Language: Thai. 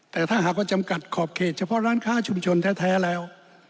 แต่ถ้าหากว่าจำกัดขอบเขตเฉพาะร้านค้าชุมชนแท้แล้ว